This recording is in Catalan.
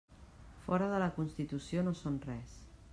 Fora de la Constitució no són res.